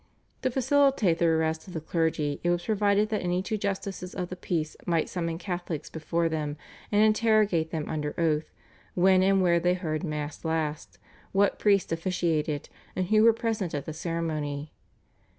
To facilitate the arrest of the clergy it was provided that any two justices of the peace might summon Catholics before them and interrogate them under oath when and where they heard Mass last, what priest officiated, and who were present at the ceremony.